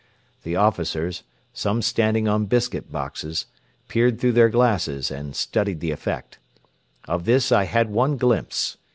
The officers, some standing on biscuit boxes, peered through their glasses and studied the effect. Of this I had one glimpse.